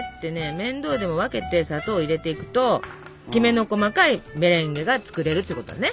面倒でも分けて砂糖を入れていくときめの細かいメレンゲが作れるってことね。